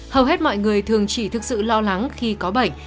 hầu hết mọi người thường chỉ thực sự lo lắng khi có bệnh